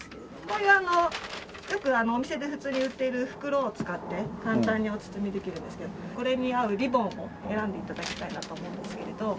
これよくお店で普通に売っている袋を使って簡単にお包みできるんですけどこれに合うリボンを選んで頂きたいなと思うんですけれど。